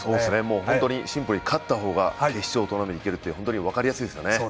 本当にシンプルに勝った方が決勝トーナメントにいけるという本当に分かりやすいですよね。